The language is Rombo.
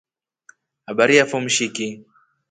Habari yafo mshiki.